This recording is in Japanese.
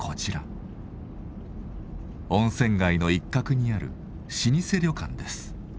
温泉街の一角にある老舗旅館です。